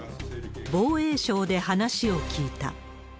防衛省で話を聞いた。